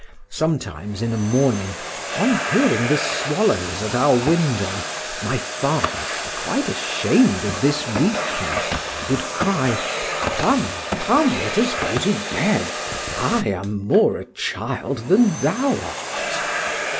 Sometimes, in a morning, on hearing the swallows at our window, my father, quite ashamed of this weakness, would cry, "Come, come, let us go to bed; I am more a child than thou art."